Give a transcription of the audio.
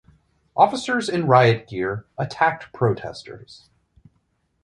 Officers in riot gear attacked protesters.